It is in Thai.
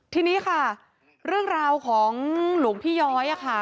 ทีนี้ค่ะเรื่องราวของหลวงพี่ย้อยค่ะ